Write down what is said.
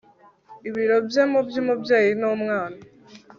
ibiro bye mu by'umubyeyi n'umwana